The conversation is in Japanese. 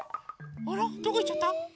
あらどこいっちゃった？え？